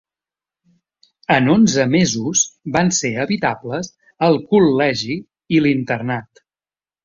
En onze mesos van ser habitables el col·legi i l’internat.